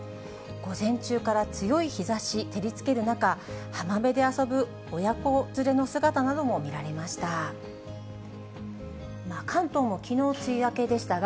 午前中から強い日ざし、照りつける中、浜辺で遊ぶ親子連れの姿なども見られました。